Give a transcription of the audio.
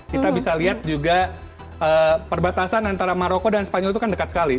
kita bisa lihat juga perbatasan antara maroko dan spanyol itu kan dekat sekali